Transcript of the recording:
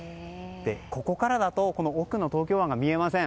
ここからだと奥の東京湾が見えません。